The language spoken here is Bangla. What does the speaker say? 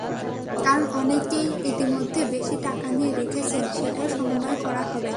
কারণ, অনেকেই ইতিমধ্যে বেশি টাকা নিয়ে রেখেছেন, সেটাও সমন্বয় করা হবে।